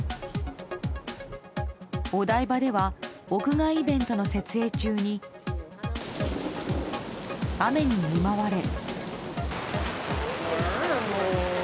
お台場では、屋外イベントの設営中に雨に見舞われ。